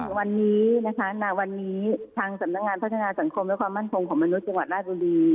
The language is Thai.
วันนี้นะคะณวันนี้ทางสำนักงานพัฒนาสังคมและความมั่นคงของมนุษย์จังหวัดราชบุรี